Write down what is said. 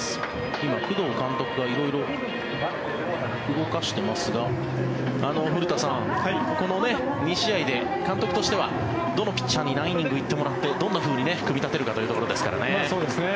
今、工藤監督が色々動かしてますが古田さん、ここの２試合で監督としてはどのピッチャーに何イニング行ってもらってどんなふうに組み立てるかというところですからね。